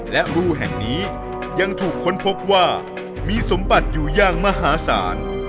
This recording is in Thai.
และรูแห่งนี้ยังถูกค้นพบว่ามีสมบัติอยู่อย่างมหาศาล